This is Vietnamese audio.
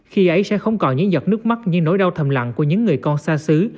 khi ấy sẽ không còn những giọt nước mắt như nỗi đau thầm lặng của những người con xa xứ